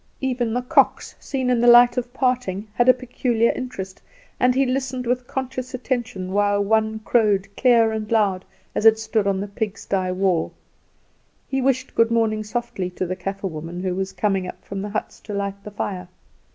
Even the cocks, seen in the light of parting, had a peculiar interest, and he listened with conscious attention while one crowed clear and loud as it stood on the pigsty wall. He wished good morning softly to the Kaffer woman who was coming up from the huts to light the fire.